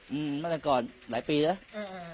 อืมมาจากก่อนหลายปีแล้ว